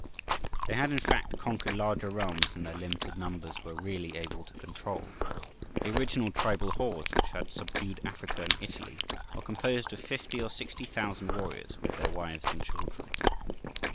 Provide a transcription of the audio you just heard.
They had, in fact, conquered larger realms than their limited numbers were really able to control. The original tribal hordes which had subdued Africa and Italy were composed of fifty or sixty thousand warriors, with their wives and children.